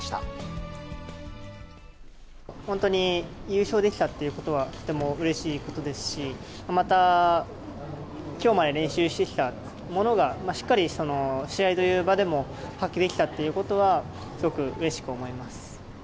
本当に優勝できたということは、とてもうれしいことですし、また、きょうまで練習してきたものが、しっかり試合という場でも発揮できたっていうことは、すごくうれしく思います。